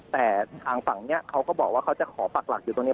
แต่ทางฝั่งนี้เขาก็บอกว่าเขาจะขอปักหลักอยู่ตรงนี้